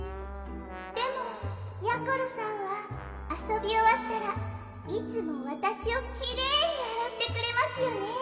でもやころさんはあそびおわったらいつもわたしをきれいにあらってくれますよね。